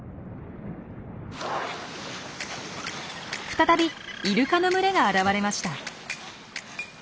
再びイルカの群れが現れました。